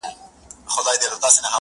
چي څنگه ئې ځنگل، هغسي ئې چغالان.